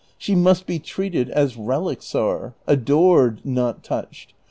8lie must be treated as relics are ; adored, not touched.